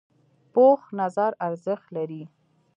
پوخ نظر ارزښت لري